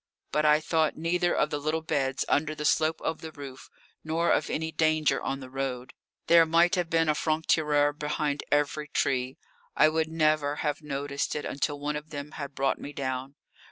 But I thought neither of the little beds under the slope of the roof nor of any danger on the road. There might have been a franc tireur behind every tree. I would never have noticed it until one of them had brought me down.